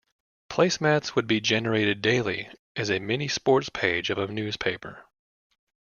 Place mats would be generated daily as a mini-sports page of a newspaper.